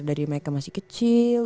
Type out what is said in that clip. dari mereka masih kecil